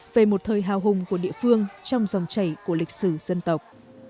về một thời hào hùng của địa phương trong dòng chảy của lịch sử dân tộc